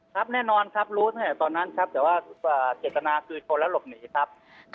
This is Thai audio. ครับแน่นอนครับรู้ตั้งแต่ตอนนั้นครับแต่ว่าเจตนาคือชนแล้วหลบหนีครับ